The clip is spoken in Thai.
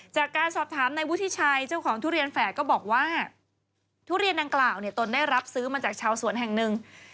จากการสอบถามในวุฒิชัยเจ้าของทุเรียนแฝดก็บอกว่าทุเรียนดังกล่าวเนี่ยตนได้รับซื้อมาจากชาวสวนแห่งหนึ่ง